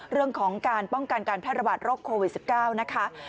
เรื่องของการป้องกันการแพร่ระบาดโรคโควิด๑๙นะคะ